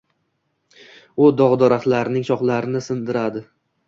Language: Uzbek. U dov-daraxtlarning shoxlarini sindiradi.